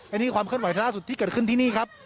อันนี้ความเคลื่อนไหวล่าสุดที่เกิดขึ้นที่นี่ครับ